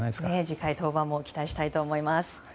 次回登板も期待したいと思います。